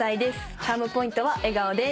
チャームポイントは笑顔です。